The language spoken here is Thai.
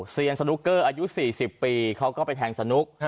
เซียนสนุกเกอร์อายุ๔๐ปีเขาก็ไปแทงสนุก